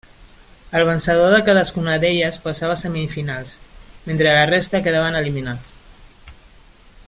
El vencedor de cadascuna d'elles passava a semifinals, mentre la resta quedaven eliminats.